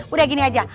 udah gini aja